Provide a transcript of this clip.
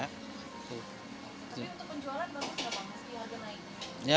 tapi untuk penjualan bagus nggak pak masih kenaikan